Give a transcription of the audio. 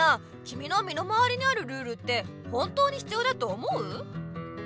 きみのみのまわりにあるルールって本当に必要だと思う？